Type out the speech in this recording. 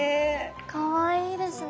かわいいですね。